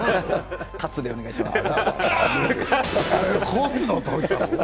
喝でお願いします。